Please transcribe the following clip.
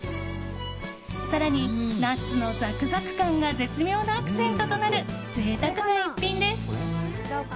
更に、ナッツのザクザク感が絶妙なアクセントとなる贅沢な一品です。